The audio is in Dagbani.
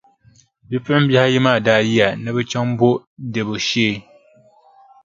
Bipuɣimbihi ayi maa daa yiya ni bɛ chaŋ m-bo Debo shee.